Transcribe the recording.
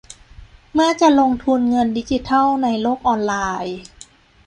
เมื่อจะลงทุนเงินดิจิทัลในโลกออนไลน์